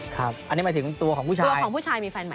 อันนี้หมายถึงตัวของผู้ชายตัวของผู้ชายมีแฟนใหม่